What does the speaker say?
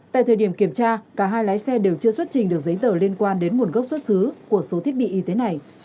tại thời điểm kiểm tra cả hai lái xe đều chưa xuất trình được giấy tờ liên quan đến nguồn gốc xuất xứ của số thiết bị y tế này